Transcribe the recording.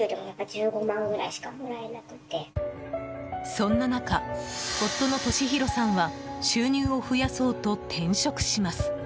そんな中、夫の敏広さんは収入を増やそうと転職します。